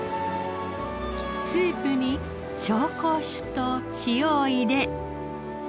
スープに紹興酒と塩を入れ。